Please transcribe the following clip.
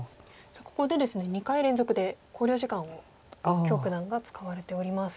ここでですね２回連続で考慮時間を許九段が使われております。